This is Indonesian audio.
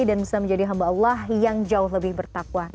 dan bisa menjadi hamba allah yang jauh lebih bertanggung jawab